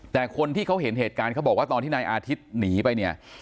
แต่คนที่เขาเห็นเหตุการณ์เขาบอกว่าตอนที่นายอาทิตย์หนีไปเนี่ย